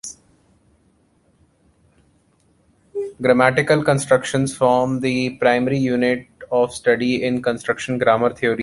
Grammatical constructions form the primary unit of study in construction grammar theories.